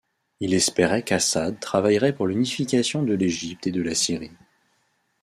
Il espérait qu'Assad travaillerait pour l'unification de l'Égypte et de la Syrie.